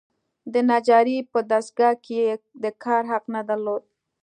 د نجارۍ په دستګاه کې یې د کار حق نه درلود.